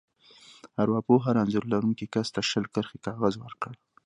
ارواپوه هر انځور لرونکي کس ته شل کرښې کاغذ ورکړ.